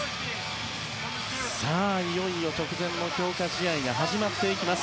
さあ、いよいよ直前の強化試合が始まっていきます。